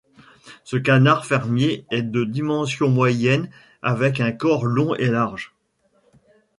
Ce canard fermier est de dimension moyenne avec un corps long et large.